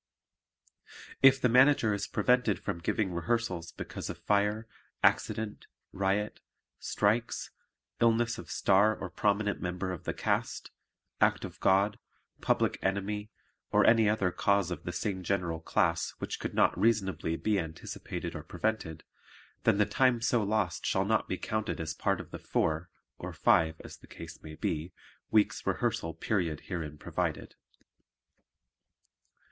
If the Manager is prevented from giving rehearsals because of fire, accident, riot, strikes, illness of star or prominent member of the cast, act of God, public enemy or any other cause of the same general class which could not reasonably be anticipated or prevented, then the time so lost shall not be counted as part of the four (or five, as the case may be) weeks' rehearsal period herein provided.